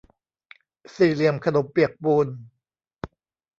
สี่เหลี่ยมขนมเปียกปูน